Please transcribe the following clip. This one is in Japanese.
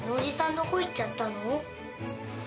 どこ行っちゃったの？